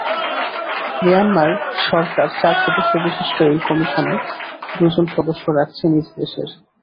Myanmar সরকার চার সদস্যবিশিষ্ট এই কমিশনে দুজন সদস্য রাখছে নিজ দেশের।